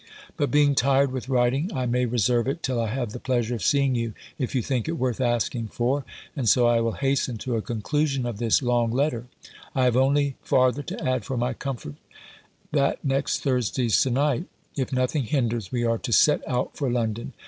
But being tired with writing, I may reserve it, till I have the pleasure of seeing you, if you think it worth asking for. And so I will hasten to a conclusion of this long letter. I have only farther to add, for my comfort, that next Thursday se'n night, if nothing hinders, we are to set out for London.